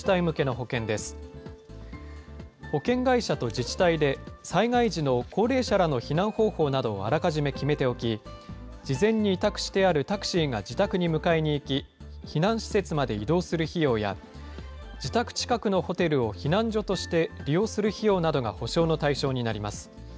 保険会社と自治体で、災害時の高齢者らの避難方法をあらかじめ決めておき、事前に委託してあるタクシーが自宅に迎えに行き、避難施設まで移動する費用や、自宅近くのホテルを避難所として、利用する費用などが補償の対象になります。